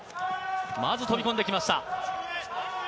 まず飛び込んできました。